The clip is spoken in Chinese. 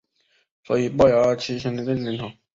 所以暴牙七先生正式登场。